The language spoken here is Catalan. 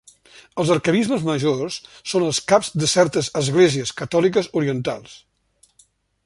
Els Arquebisbes majors són els caps de certes Esglésies Catòliques Orientals.